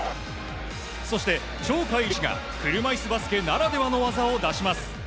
そして、鳥海連志が車いすバスケならではの技を出します。